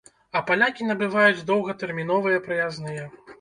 А палякі набываюць доўгатэрміновыя праязныя.